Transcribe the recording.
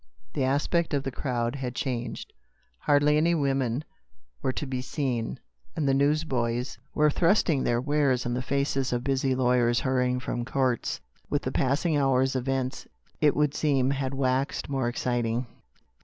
The aspect of the crowd had changed. Hardly any women were to be seen, and the news boys, bawling their loudest, were thrusting their wares in the faces of busy lawyers hur TWO ULTIMATUMS. 225 rying from the courts. With the passing hours, events, it would seem, had waxed more exciting.